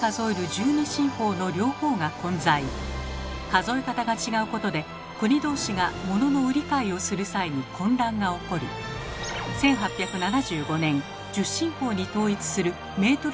数え方が違うことで国同士がモノの売り買いをする際に混乱が起こり１８７５年１０進法に統一する「メートル条約」が結ばれました。